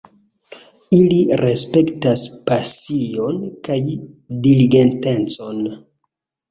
Ili respektas pasion kaj diligentecon